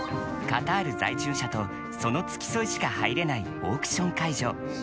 カタール在住者とその付き添いしか入れないオークション会場。